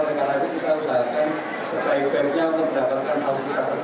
lekar lekar kita usahakan sebaik baiknya untuk mendapatkan hasil kita terbaik